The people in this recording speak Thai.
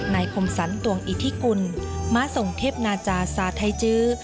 คมสรรตวงอิทธิกุลม้าส่งเทพนาจาสาธัยจื้อ